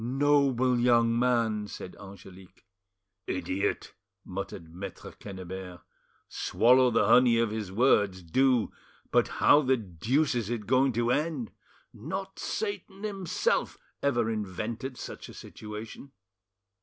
"Noble young man!" said Angelique. "Idiot!" muttered Maitre Quennebert; "swallow the honey of his words, do But how the deuce is it going to end? Not Satan himself ever invented such a situation."